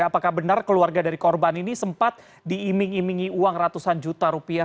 apakah benar keluarga dari korban ini sempat diiming imingi uang ratusan juta rupiah